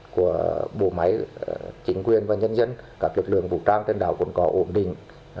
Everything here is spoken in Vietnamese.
của bộ máy chính quyền và nhân dân các lực lượng vũ trang trên đảo cồn cỏ ổn định